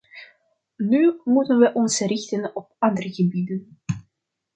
Nu moeten we ons richten op andere gebieden.